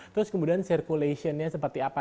terus kemudian circulation nya seperti apa